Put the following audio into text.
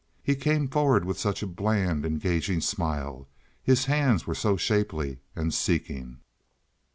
He came forward with such a bland, engaging smile. His hands were so shapely and seeking.